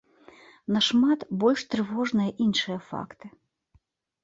Нашмат больш трывожныя іншыя факты.